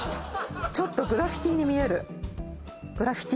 ちょっとグラフィティに見えるグラフィティ